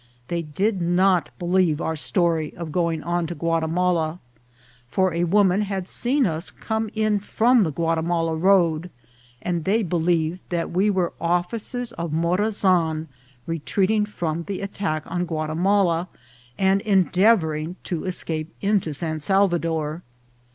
They did not believe our story of going to Guatimala, for a woman had seen us come in from the Guatimala road, and they believed that we were officers of Morazan retreating from the attack on Guatimala, and endeavouring to escape into San Salvador.